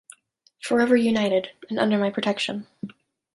Forever united, and under my protection.